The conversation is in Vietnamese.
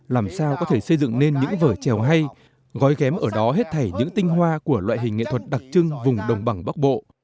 làm sao có thể xây dựng nên những vở trèo hay gói ghém ở đó hết thảy những tinh hoa của loại hình nghệ thuật đặc trưng vùng đồng bằng bắc bộ